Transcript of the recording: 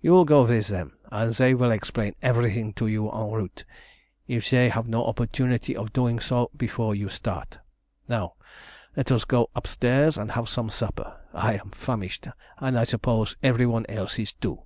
"You will go with them, and they will explain everything to you en route, if they have no opportunity of doing so before you start. Now let us go upstairs and have some supper. I am famished, and I suppose every one else is too."